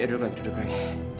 ya duduk lagi duduk lagi